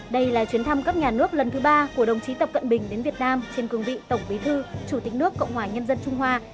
đây là chuyến thăm cấp nhà nước lần thứ ba của đồng chí tập cận bình đến việt nam trên cường vị tổng bí thư chủ tịch nước cộng hòa nhân dân trung hoa